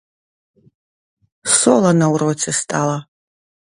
Солана ў роце стала.